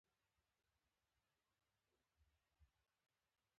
د احمد پدل چې علي ورمات کړ؛ اوس ښه کار کوي.